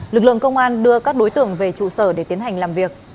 lực lượng công an đưa các đối tượng về trụ sở để tiến hành làm việc